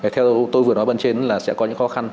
theo tôi vừa nói bên trên là sẽ có những khó khăn